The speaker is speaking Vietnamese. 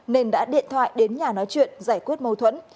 nên đã điện thoại đến nhà nói chuyện giải quyết mâu thuẫn